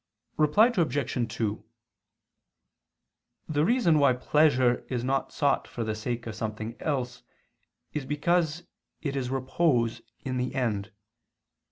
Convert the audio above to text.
Reply Obj. 2: The reason why pleasure is not sought for the sake of something else is because it is repose in the end.